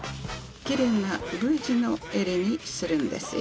きれいなＶ字の襟にするんですよ。